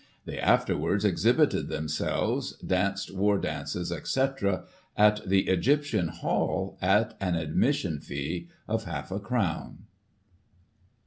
They afterwards exhibited them selves, danced war dances, etc., at the Egyptian Hall, at an admission fee of half a crown.